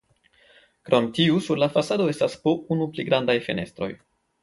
Krom tiu sur la fasado estas po unu pli grandaj fenestroj.